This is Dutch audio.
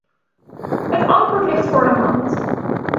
Het antwoord ligt voor de hand.